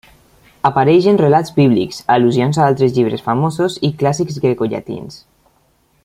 Apareixen relats bíblics, al·lusions a altres llibres famosos i clàssics grecollatins.